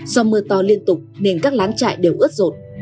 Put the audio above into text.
do mưa to liên tục nên các lán chạy đều ướt rột